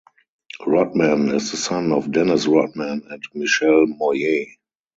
Rodman is the son of Dennis Rodman and Michelle Moyer.